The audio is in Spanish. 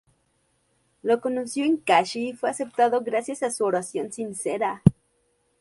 Lo conoció en Kashi y fue aceptado gracias a su oración sincera.